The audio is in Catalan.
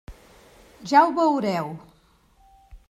Ja ho veureu.